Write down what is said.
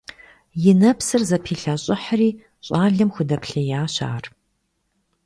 И нэпэпсыр зэпилъэщӀыхьри, щӀалэм худэплъеящ ар.